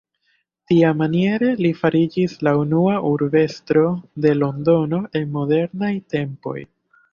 Tiamaniere li fariĝis la unua urbestro de Londono en modernaj tempoj.